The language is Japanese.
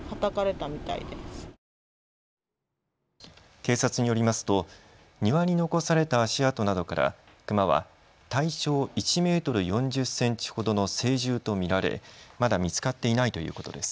警察によりますと庭に残された足跡などからクマは体長１メートル４０センチほどの成獣と見られまだ見つかっていないということです。